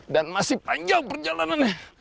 dan masih panjang perjalanannya